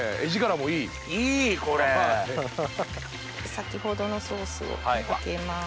先ほどのソースをかけます。